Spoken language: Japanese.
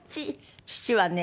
父はね